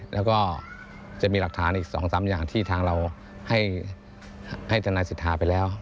และก็จะมีหลักฐานอีกสองสามอย่างที่ทางเราให้ธนาศิษฐาไปแล้ว